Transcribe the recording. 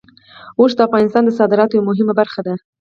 اوښ د افغانستان د صادراتو یوه مهمه برخه ده.